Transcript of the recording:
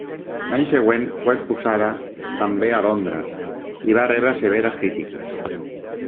L'any següent fou exposada, també a Londres, i va rebre severes crítiques.